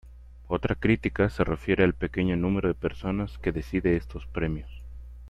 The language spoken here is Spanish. Otra crítica se refiere al pequeño número de personas que decide estos premios.